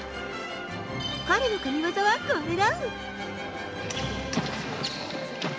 彼の神技はこれだ。